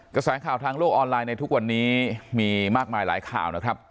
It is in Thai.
กระแสข่าวทางโลกออนไลน์ในทุกวันนี้มีมากมายหลายข่าวนะครับ